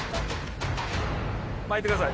巻いてください